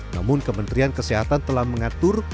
namun kementerian kesehatan telah mengatur